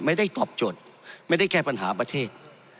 ไม่ได้ตอบโจทย์ไม่ได้แก้ปัญหาประเทศ